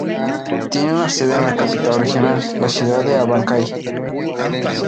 Tiene su sede en la capital regional, la ciudad de Abancay.